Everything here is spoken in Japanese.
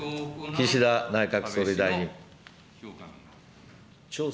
岸田内閣総理大臣。